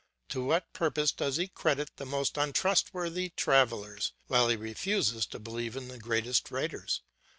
To what purpose does he credit the most untrustworthy travellers, while he refuses to believe the greatest writers?